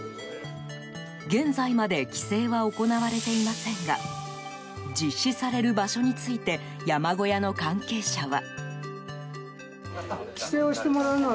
現在まで規制は行われていませんが実施される場所について山小屋の関係者は。